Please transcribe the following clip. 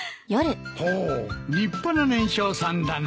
ほう立派な年少さんだな。